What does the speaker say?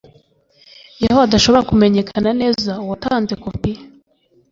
Iyo hadashobora kumenyekana neza uwatanze kopi